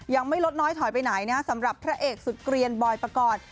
ยังไม่ลดน้อยถอยไปไหนนะสำหรับพระเอกสุดเกลียนบอยปกรณ์